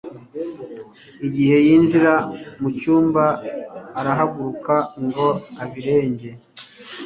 Igihe yinjira mu cyumba, arahaguruka ngo ibirenge.